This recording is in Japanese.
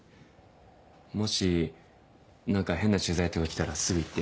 もし何か変な取材とか来たらすぐ言って。